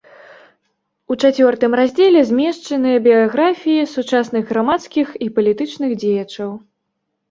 У чацвёртым раздзеле змешчаныя біяграфіі сучасных грамадскіх і палітычных дзеячаў.